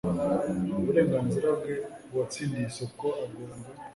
uburenganzira bwe uwatsindiye isoko agomba